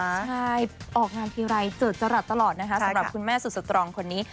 ใช่ออกงานทีไรเจิดจรัสตลอดนะคะสำหรับคุณแม่สุดสตรองคนนี้